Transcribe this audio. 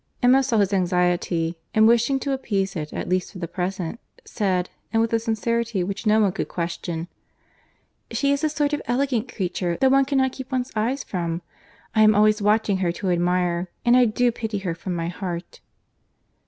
Emma saw his anxiety, and wishing to appease it, at least for the present, said, and with a sincerity which no one could question— "She is a sort of elegant creature that one cannot keep one's eyes from. I am always watching her to admire; and I do pity her from my heart."